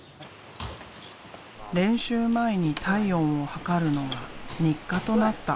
練習前に体温を測るのが日課となった。